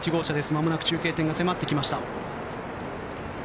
まもなく中継点が迫ってきました。